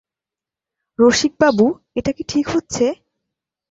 রসিকবাবু, এটা কি ঠিক হচ্ছে?